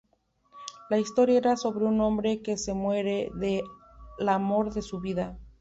La historia era sobre un hombre que se muere del amor de su vida.